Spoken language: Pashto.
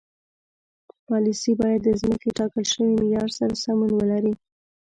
پالیسي باید د مخکې ټاکل شوي معیار سره سمون ولري.